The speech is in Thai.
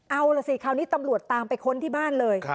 เอาล่ะสิคราวนี้ตำรวจตามไปค้นที่บ้านเลย